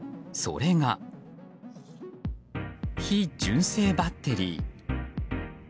それが、非純正バッテリー。